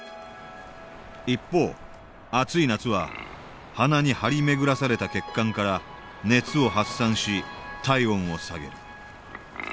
一方暑い夏は鼻に張り巡らされた血管から熱を発散し体温を下げる。